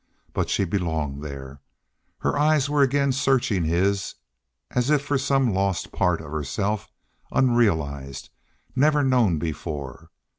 But she belonged there. Her eyes were again searching his, as if for some lost part of herself, unrealized, never known before.